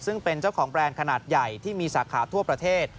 ซึ่งเป็นเจ้าของแบรนด์ขนาดใหญ่ที่มีสาขาทั่วประเทศ